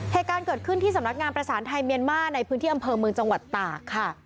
เหตุการณ์เกิดขึ้นที่สำนักงานประสานไทยเมียนมาร์ในพื้นที่อำเภอเมืองจังหวัดตากค่ะ